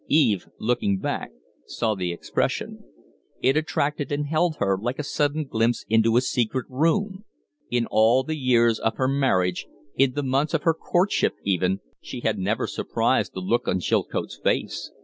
Eve, looking back, saw the expression. It attracted and held her, like a sudden glimpse into a secret room. In all the years of her marriage, in the months of her courtship even, she had never surprised the look on Chilcote's face.